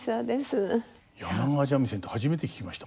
柳川三味線って初めて聞きました。